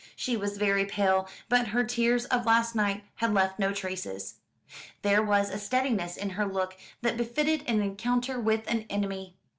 She was very pale, but her tears of last night had left no traces. There was a steadiness in her look that befitted an encounter with an enemy.